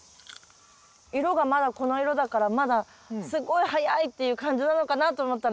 色がまだこの色だからまだすごい早いっていう感じなのかなと思ったら意外といけます。